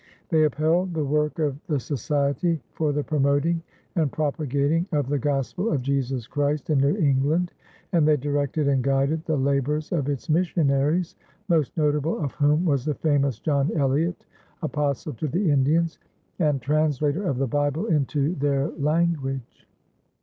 They upheld the work of the Society for the Promoting and Propagating of the Gospel of Jesus Christ in New England, and they directed and guided the labors of its missionaries, most notable of whom was the famous John Eliot, apostle to the Indians and translator of the Bible into their language.